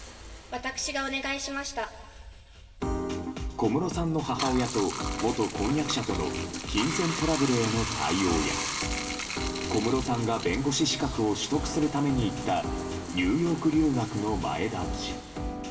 小室さんの母親と元婚約者との金銭トラブルへの対応や小室さんが弁護士資格を取得するために行ったニューヨーク留学の前倒し。